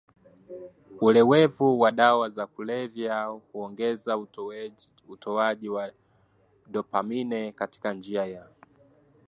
ulewevu wa dawa za kulevya huongeza utolewaji wa dopamine katika njia ya